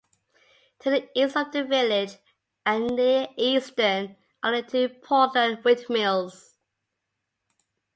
To the east of the village, and near Easton, are the two Portland Windmills.